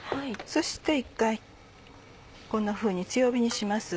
そして一回こんなふうに強火にします。